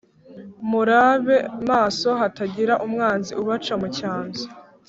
Murabe maso hatagira umwanzi ubaca mucyanzu